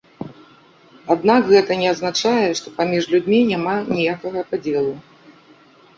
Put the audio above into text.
Аднак гэта не азначае, что паміж людзьмі няма ніякага падзелу.